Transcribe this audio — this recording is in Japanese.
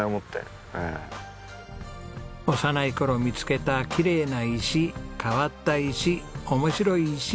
幼い頃見つけたきれいな石変わった石面白い石。